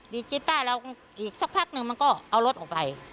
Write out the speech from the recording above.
กีต้าแล้วอีกสักพักนึงมันก็เอารถออกไป